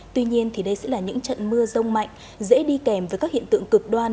tuy nhiên đây sẽ là những trận mưa rông mạnh dễ đi kèm với các hiện tượng cực đoan